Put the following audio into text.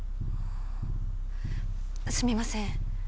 すみません